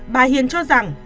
bà hiền cho rằng